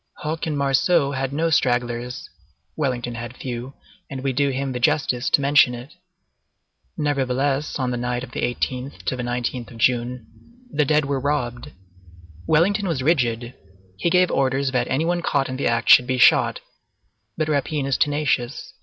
Hoche and Marceau had no stragglers; Wellington had few, and we do him the justice to mention it. Nevertheless, on the night from the 18th to the 19th of June, the dead were robbed. Wellington was rigid; he gave orders that any one caught in the act should be shot; but rapine is tenacious.